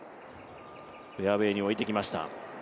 フェアウエーに置いてきました。